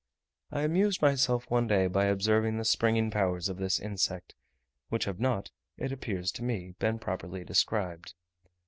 I amused myself one day by observing the springing powers of this insect, which have not, as it appears to me, been properly described.